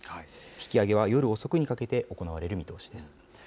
引き揚げは夜遅くにかけて行われる見通しです。